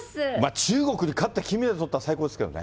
中国に勝って金メダルとったら、最高ですけどね。